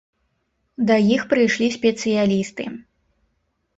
Да іх прыйшлі спецыялісты.